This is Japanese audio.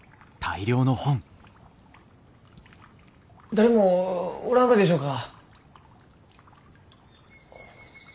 誰もおらんがでしょうか？